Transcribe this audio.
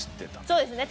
そうですね。